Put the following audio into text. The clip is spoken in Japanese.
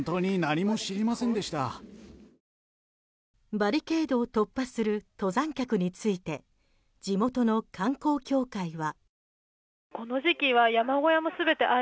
バリケードを突破する登山客について地元の観光協会は。